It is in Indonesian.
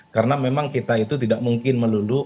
karena memang kita itu tidak mungkin melulu